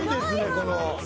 この。